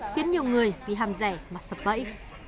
khiến nhiều người bị ham rẻ mà sập bẫy